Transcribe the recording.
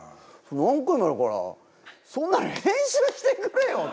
何回もやるからそんなの編集してくれよって！